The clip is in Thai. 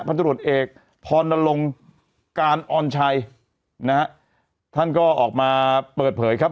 ตรวจเอกพรนลงการออนชัยนะฮะท่านก็ออกมาเปิดเผยครับ